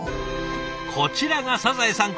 こちらがサザエさん